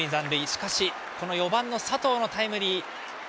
しかし４番の佐藤のタイムリー。